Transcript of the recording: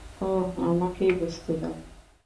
ওহ, আমাকেই বুঝতে দাও।